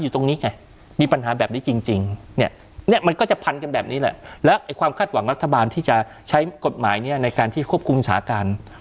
ต้องคาดหวังรัฐบาลที่จะใช้กฎหมายเนี่ยในการที่ควบคุมสาการ